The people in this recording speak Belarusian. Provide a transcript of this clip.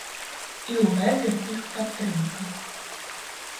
І ў гэтым іх падтрымка.